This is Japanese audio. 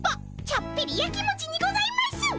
ちょっぴりやきもちにございます！